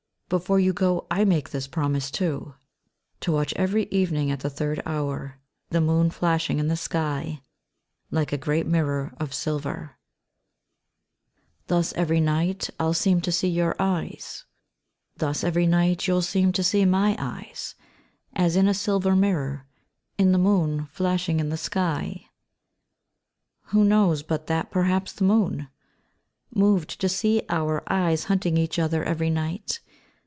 Before you go, I make this promise too — To watch every evening at the third hour The moon flashing in the sky Like a great mirror of silver. 47 THE MIRROR ^ Thus every night, I'll seem to see your eyes, Thus every night, you'll seem to see my eyes, As in a silver mirror In the moon, flashing in the sky. Who knows but that perhaps the moon, Moved to sec our eyes hunting each other every night.